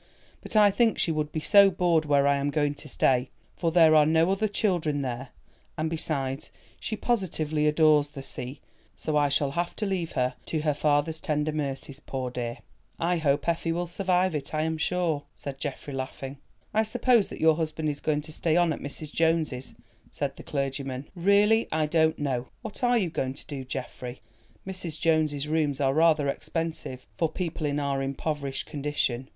But I think she would be so bored where I am going to stay, for there are no other children there; and besides, she positively adores the sea. So I shall have to leave her to her father's tender mercies, poor dear." "I hope Effie will survive it, I am sure," said Geoffrey laughing. "I suppose that your husband is going to stay on at Mrs. Jones's," said the clergyman. "Really, I don't know. What are you going to do, Geoffrey? Mrs. Jones's rooms are rather expensive for people in our impoverished condition.